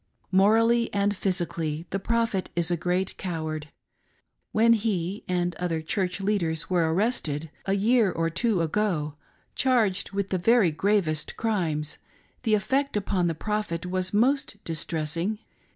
Morally and physically the Prophet is a great coward. When he and other Church leaders were arrested a year or two ago, charged with the very gravest crimes, the effect upon the Prophet was most distressing.